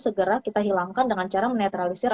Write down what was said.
segera kita hilangkan dengan cara menetralisir